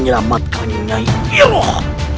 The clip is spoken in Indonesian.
kamar nyi iroh